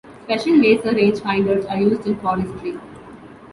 Special laser rangefinders are used in forestry.